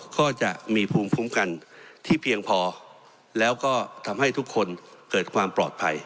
ก็จะมีภูมิคุ้มกันที่เพียงพอแล้วก็ทำให้ทุกคนเกิดความปลอดภัย